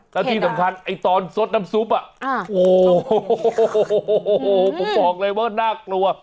แล้วที่สำคัญไอ้ตอนซดน้ำซุปโอ้โหผมบอกเลยว่าน่ากลัว